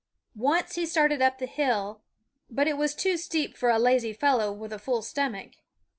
Once he started up the hill ; but it was too steep for a lazy fellow with a full stomach.